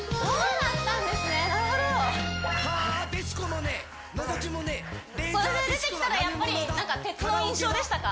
なるほどそれで出てきたらやっぱり鉄の印象でしたか？